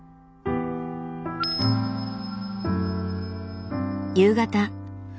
夕方。